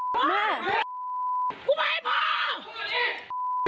กูเป้าพหอ